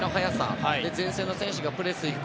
そして前線の選手がプレスに行く。